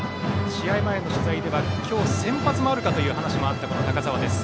試合前の取材では今日、先発もあるかという話もあった高澤です。